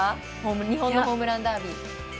日本のホームランダービー。